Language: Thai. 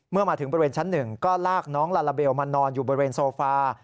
เมื่อมาถึงบริเวณชั้น๑ก็ลากน้องลาลาเบลมานอนอยู่บริเวณโซฟา